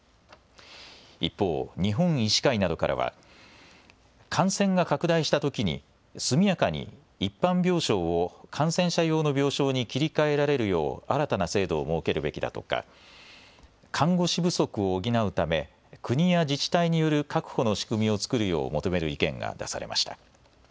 一方、日本医師会などからは感染が拡大したときに速やかに一般病床を感染者用の病床に切り替えられるよう新たな制度を設けるべきだとか看護師不足を補うため国や自治体による確保の仕組みを作るよう求める意見が出されました。